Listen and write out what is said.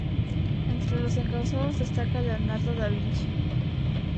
Entre los encausados destaca Leonardo da Vinci.